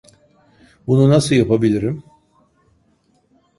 Bunu nasıl yapabilirim?